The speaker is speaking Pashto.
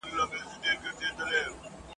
یا ښکاري یا د زمري خولې ته سوغات سم ..